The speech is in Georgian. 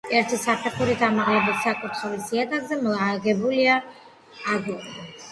ერთი საფეხურით ამაღლებულ საკურთხევლის იატაკზე მოგებულია აგური.